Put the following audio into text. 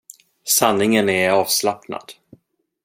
Sanningen är avslappnad.